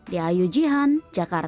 di ayu jihan jakarta